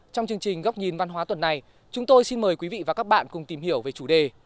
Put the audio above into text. trong chương trình góc nhìn văn hóa tuần này chúng tôi xin mời quý vị và các bạn cùng tìm hiểu về chủ đề